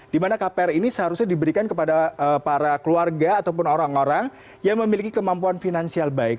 dimana kpr ini seharusnya diberikan kepada para keluarga ataupun orang orang yang memiliki kemampuan finansial baik